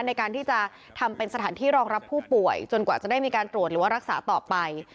ในการที่จะทำเป็นสถานที่รองรับผู้ป่วยจนกว่าจะได้มีการตรวจหรือว่ารักษาต่อไป